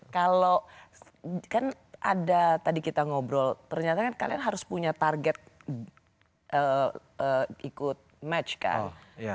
kalau kan ada tadi kita ngobrol ternyata kan kalian harus punya target ikut match kan